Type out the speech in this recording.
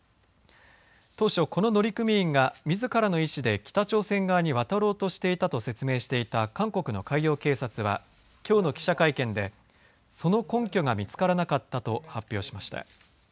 当初この乗組員がみずからの意思で北朝鮮側に渡ろうとしていたと説明していた韓国の海洋警察は、きょうの記者会見でその根拠が見つからなかったと発表しました。